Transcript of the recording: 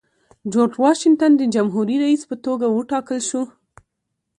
جورج واشنګټن د جمهوري رئیس په توګه وټاکل شو.